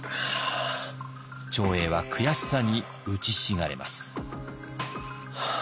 長英は悔しさにうちひしがれます。